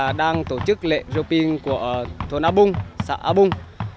chúng ta đang tổ chức lễ arioping của thôn a bung xã a bung